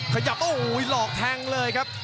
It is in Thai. ขยับโอ้โหหลอกแทงเลยครับ